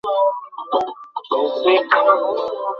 মানুষের বিভিন্ন স্বভাব ও প্রকৃতি অনুযায়ী যোগগুলি আমরা শিক্ষা দিই।